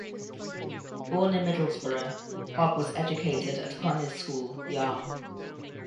Born in Middlesbrough, Hogg was educated at Conyers School, Yarm.